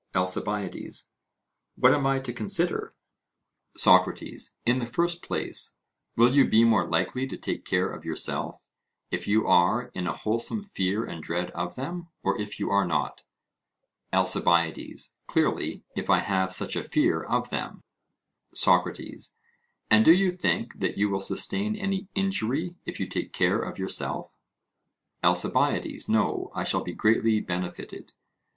ALCIBIADES: What am I to consider? SOCRATES: In the first place, will you be more likely to take care of yourself, if you are in a wholesome fear and dread of them, or if you are not? ALCIBIADES: Clearly, if I have such a fear of them. SOCRATES: And do you think that you will sustain any injury if you take care of yourself? ALCIBIADES: No, I shall be greatly benefited.